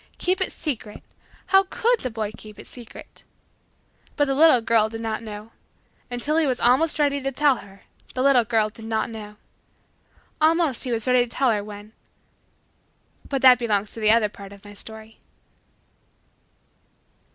Keep it secret! How could the boy keep it secret! But the little girl did not know. Until he was almost ready to tell her, the little girl did not know. Almost he was ready to tell her, when But that belongs to the other part of my story.